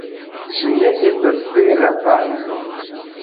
Ĝi ne estas vera palmo.